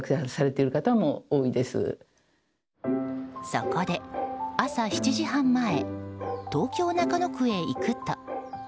そこで、朝７時半前東京・中野区へ行くと。